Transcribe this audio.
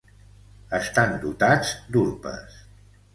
Estan dotats d'urpes.